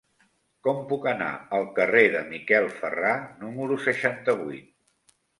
Com puc anar al carrer de Miquel Ferrà número seixanta-vuit?